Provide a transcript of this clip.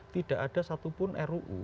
tidak ada satupun ruu